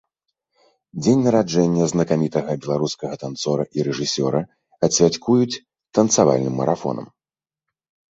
Дзень нараджэння знакамітага беларускага танцора і рэжысёра адсвяткуюць танцавальным марафонам.